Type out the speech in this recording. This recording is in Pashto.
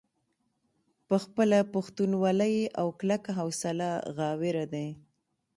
پۀ خپله پښتونولۍ او کلکه حوصله غاوره دے ۔